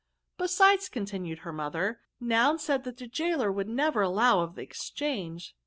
*^ Besides," continued her mother, Noun said that the gaoler would never allow of the exchange.